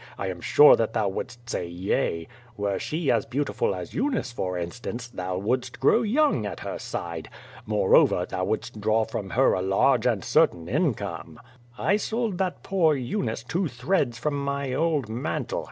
I am sure that thou wouldst say yea! Were she as beautiful as Eunice, for instance, thou wouldst grow young at her side. Moreover, thou wouldst draw from her a large and certain income. I sold that poor Eunice two threads from my old mantle.